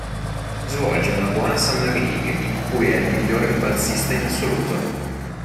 Svolge una buona Summer League in cui è il miglior rimbalzista in assoluto.